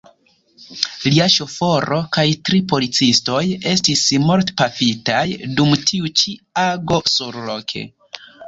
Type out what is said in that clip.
Lia ŝoforo kaj tri policistoj estis mortpafitaj dum tiu ĉi ago surloke.